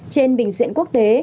trên bình diện quốc tế